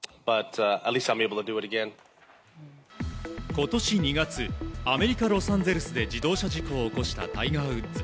今年２月アメリカ・ロサンゼルスで自動車事故を起こしたタイガー・ウッズ。